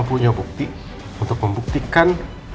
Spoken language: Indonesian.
punya bukti untuk membuktikan